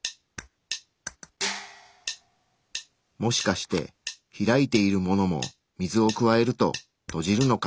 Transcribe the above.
もしかして開いているものも水を加えると閉じるのかな。